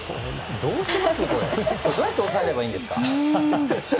どうやって抑えればいいんですか？